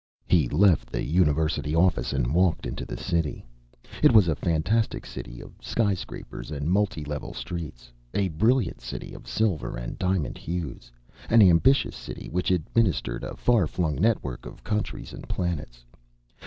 He left the university office and walked into the city. It was a fantastic city of skyscrapers and multi level streets, a brilliant city of silver and diamond hues, an ambitious city which administered a far flung network of countries and planets.